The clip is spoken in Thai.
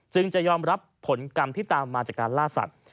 จะยอมรับผลกรรมที่ตามมาจากการล่าสัตว์